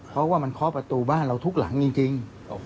เพราะว่ามันเคาะประตูบ้านเราทุกหลังจริง